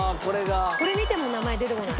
これ見ても名前出てこない。